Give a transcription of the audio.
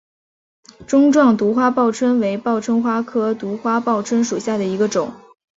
钟状独花报春为报春花科独花报春属下的一个种。